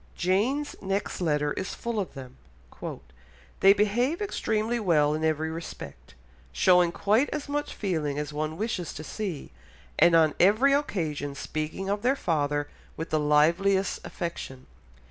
Jane's next letter is full of them. "They behave extremely well in every respect, showing quite as much feeling as one wishes to see, and on every occasion speaking of their father with the liveliest affection.